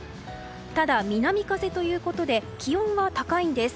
ただ、南風ということで気温は高いんです。